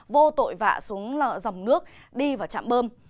vô tội vạ xuống dòng nước đi vào trạm bơm